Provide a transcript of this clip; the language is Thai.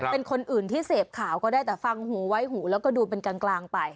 เป็นคนอื่นที่เสพข่าวก็ได้แต่ฟังหูไว้หูแล้วก็ดูเป็นกลางไป